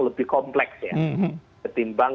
lebih kompleks ya ketimbang